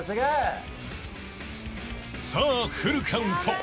［さあフルカウント］